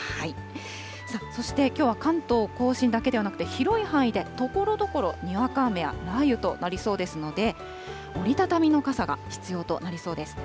そして、きょうは関東甲信だけではなくて、広い範囲でところどころ、にわか雨や雷雨となりそうですので、折り畳みの傘が必要となりそうです。